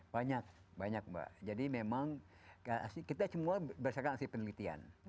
banyak banyak mbak jadi memang kita semua berdasarkan hasil penelitian